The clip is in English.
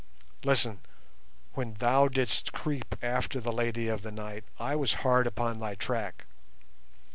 Listen! When thou didst creep after the 'Lady of the Night' I was hard upon thy track.